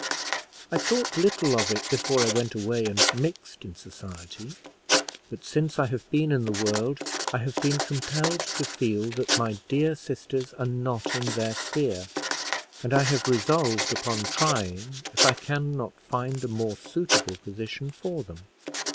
I thought little of it before I went away and mixed in society; but since I have been in the world, I have been compelled to feel that my dear sisters are not in their sphere, and I have resolved upon trying if I can not find a more suitable position for them.